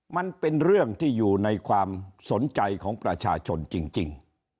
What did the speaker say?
มันเป็นเรื่องที่อยู่ในความสนใจของประชาชนจริง